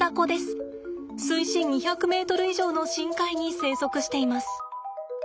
水深２００ｍ以上の深海に生息しています。